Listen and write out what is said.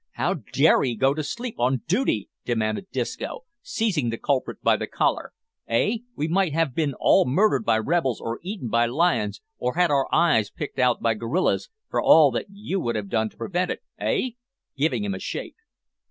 "How dare 'ee go to sleep on dooty?" demanded Disco, seizing the culprit by the collar, "eh! we might have bin all murdered by rebels or eaten by lions, or had our eyes picked out by gorillas, for all that you would have done to prevent it eh?" giving him a shake.